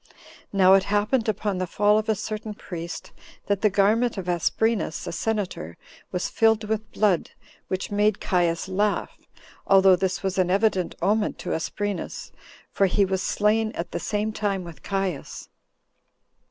Now it happened, upon the fall of a certain priest, that the garment of Asprenas, a senator, was filled with blood, which made Caius laugh, although this was an evident omen to Asprenas, for he was slain at the same time with Caius.